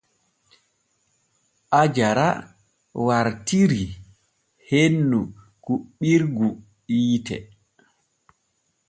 Aajara wartirii hennu kuɓɓirgu hiite.